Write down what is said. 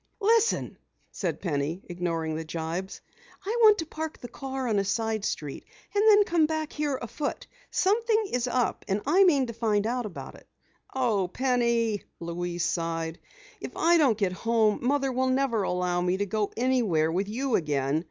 "Listen!" said Penny, ignoring the jibes. "I want to park the car on a side street, and then come back here afoot. Something is up and I mean to find out about it!" "Oh, Penny," Louise sighed. "If I don't get home Mother never will allow me to go anywhere with you again.